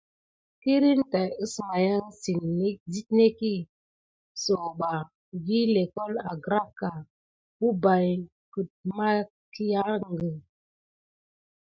Kirne tàt əsmaya site netki sakuɓa vi lʼékokle angraka wubaye kudmakiyague.